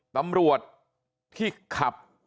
ตำรวจที่ขับ